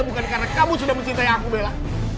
bukan karena kamu sudah mencintai aku bella